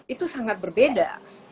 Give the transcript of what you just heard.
itu sangat berbeda